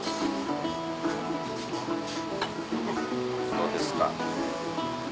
どうですか？